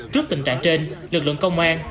trước tình trạng trên lực lượng công an